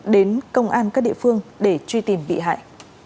đến công an các địa phương để truy tìm bị hại